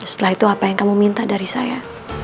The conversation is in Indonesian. setelah itu apa yang kamu minta dari saya